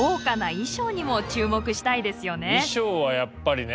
衣装はやっぱりね